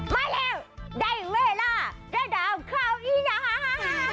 มาเร็วได้เวลาย่าดาวข้าวอินยัง